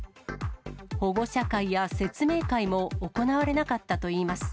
保護者会や説明会も行われなかったといいます。